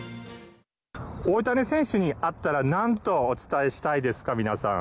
大谷選手に会ったらなんとお伝えしたいですか、皆さん。